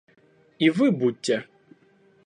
И вы будьте.